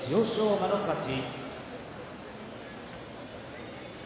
馬の勝ち。